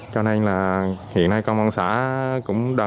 cho nên là hiện nay con con xã cũng đổi